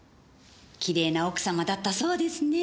きれいな奥様だったそうですね。